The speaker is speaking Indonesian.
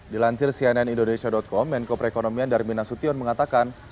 dilansir cnn indonesia com menko perekonomian darmin nasution mengatakan